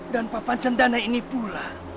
dan papan cendana ini pula